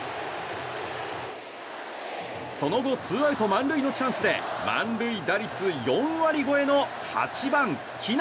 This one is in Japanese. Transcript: その後、ツーアウト満塁のチャンスで満塁打率４割超えの８番、木浪。